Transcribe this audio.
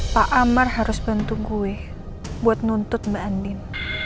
pak amar harus bantu gue buat nuntut mbak andin